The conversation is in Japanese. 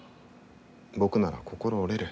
僕なら心折れる。